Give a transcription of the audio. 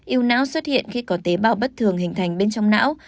u não xuất hiện khi có tế bào bất thường hình thành bên trong não